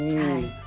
はい。